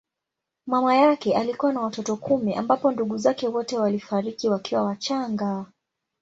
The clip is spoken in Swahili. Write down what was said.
Mama yake alikuwa na watoto kumi ambapo ndugu zake wote walifariki wakiwa wachanga.